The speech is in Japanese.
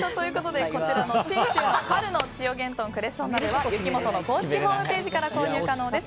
信州の春の千代幻豚クレソン鍋は柚木元の公式ホームページから購入可能です。